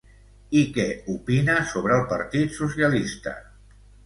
I què opina sobre el partit socialista?